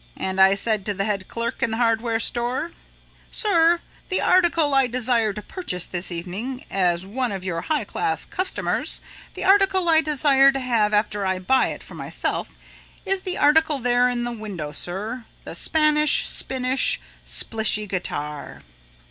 And I said to the head clerk in the hardware store, 'Sir, the article I desire to purchase this evening as one of your high class customers, the article I desire to have after I buy it for myself, is the article there in the window, sir, the Spanish Spinnish Splishy guitar.'